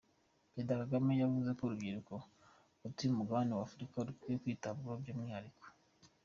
Parezida Kagame yavuze ko urubyiruko rutuye umugabane wa Afurika rukwiye kwitabwaho by’umwihariko.